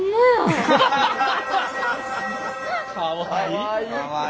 かわいい。